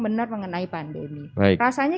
benar mengenai pandemi rasanya